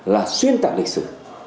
là xuyên tạm lịch sử